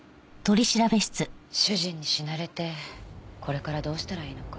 主人に死なれてこれからどうしたらいいのか。